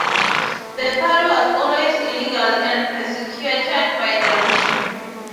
The party was always illegal and persecuted by the regime.